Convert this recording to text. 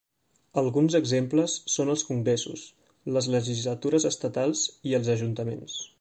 Alguns exemples són els congressos, les legislatures estatals i els ajuntaments.